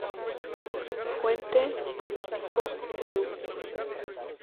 Fuente: Politico.eu